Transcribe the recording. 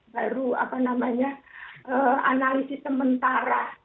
baru analisi sementara